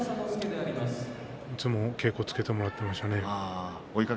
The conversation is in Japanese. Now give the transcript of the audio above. いつも稽古をつけてもらっていました。